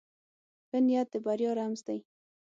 ښه نیت د بریا رمز دی.